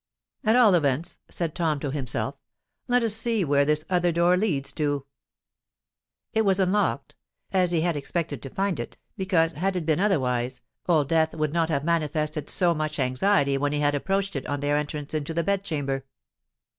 "At all events," said Tom to himself, "let us see where this other door leads to." It was unlocked—as he had expected to find it; because, had it been otherwise, Old Death would not have manifested so much anxiety when he had approached it on their entrance into the bed chamber.